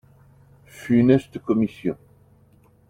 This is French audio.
Funeste commission